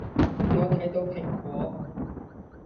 我睇到蘋果